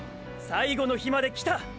最後の日まで来た！